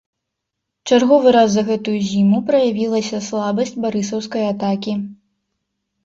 Чарговы раз за гэтую зіму праявілася слабасць барысаўскай атакі.